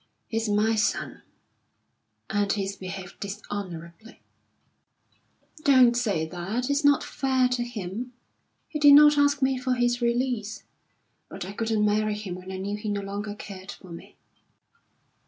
"He's my son, and he's behaved dishonourably." "Don't say that. It's not fair to him. He did not ask me for his release. But I couldn't marry him when I knew he no longer cared for me."